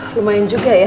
lumayan juga ya